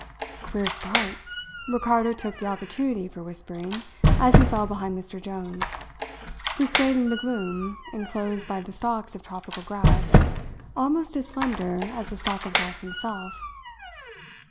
"Queer start!" Ricardo took the opportunity for whispering, as he fell behind Mr. Jones, who swayed in the gloom, enclosed by the stalks of tropical grass, almost as slender as a stalk of grass himself.